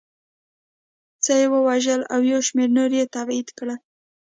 څه یې ووژل او یو شمېر نور یې تبعید کړل